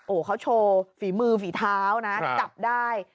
โอ้โหเขาโชว์ฝีมือฝีเท้านะจับได้